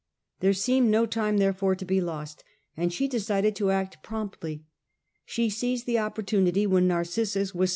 There seemed no time, therefore, to be lost, and she decided to act promptly. She seized the opportunity when Narcissus was sent